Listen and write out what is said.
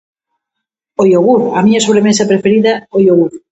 O iogur, a miña sobremesa preferida, o iogur.